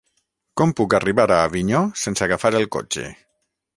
Com puc arribar a Avinyó sense agafar el cotxe?